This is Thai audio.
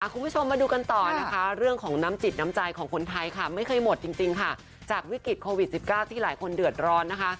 คุณผู้ชมมาดูกันต่อนะคะเรื่องของน้ำจิตน้ำใจของคนไทยค่ะไม่เคยหมดจริงค่ะจากวิกฤตโควิด๑๙ที่หลายคนเดือดร้อนนะคะ